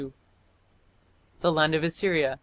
The land of Assyria